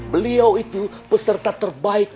beliau itu peserta terbaik